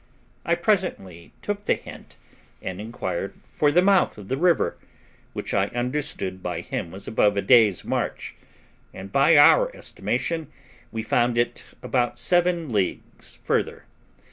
I presently took the hint, and inquired for the mouth of the river, which I understood by him was above a day's march, and, by our estimation, we found it about seven leagues further.